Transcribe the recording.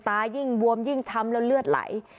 ตายิ่งบวมยิ่งช้ำแล้วเลือดไหล